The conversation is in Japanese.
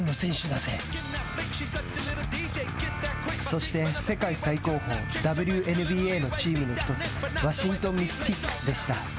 そして、世界最高峰ＷＮＢＡのチームの１つワシントン・ミスティクスでした。